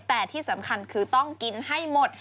แต่ที่สำคัญคือต้องกินให้หมด